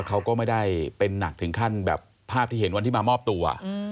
เขาก็ไม่ได้เป็นหนักถึงขั้นแบบภาพที่เห็นวันที่มามอบตัว